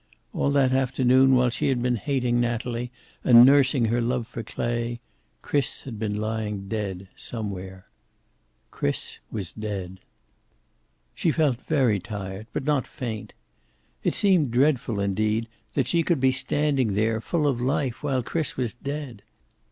All that afternoon, while she had been hating Natalie and nursing her love for Clay, Chris had been lying dead somewhere. Chris was dead. She felt very tired, but not faint. It seemed dreadful, indeed, that she could be standing there, full of life, while Chris was dead.